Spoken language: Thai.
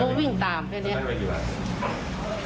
แล้วก็วิ่งตามแค่นี้